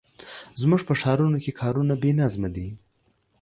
زموږ په ښارونو کې کارونه بې نظمه دي.